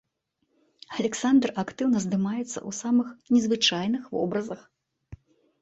Аляксандр актыўна здымаецца ў самых незвычайных вобразах.